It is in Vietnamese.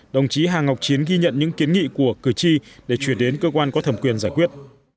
đồng chí hà ngọc chiến ghi nhận những kiến nghị của cử tri để chuyển đến cơ quan có thẩm quyền giải quyết